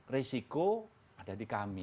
risiko ada di kami